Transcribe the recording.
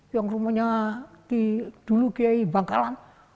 yang rumahnya dulu kiai bangkalan